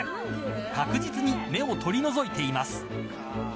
確実に芽を取り除いています。